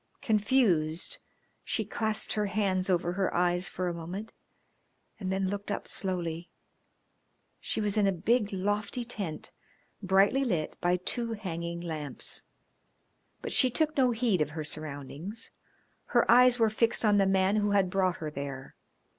Confused, she clasped her hands over her eyes for a moment and then looked up slowly. She was in a big, lofty tent, brightly lit by two hanging lamps. But she took no heed of her surroundings; her eyes were fixed on the man who had brought her there.